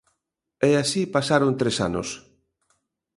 E así pasaron tres anos.